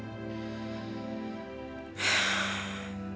saya sudah berhenti